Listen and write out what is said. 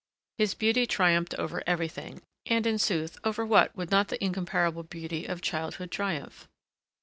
His beauty triumphed over everything, and, in sooth, over what would not the incomparable beauty of childhood triumph?